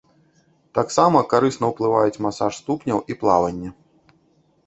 Таксама карысна ўплываюць масаж ступняў і плаванне.